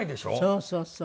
そうそうそう。